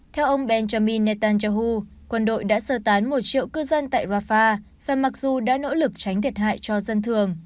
theo ông benjamin netanyahu quân đội đã sơ tán một triệu cư dân tại rafah và mặc dù đã nỗ lực tránh thiệt hại cho dân thường